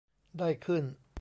ได้ขึ้น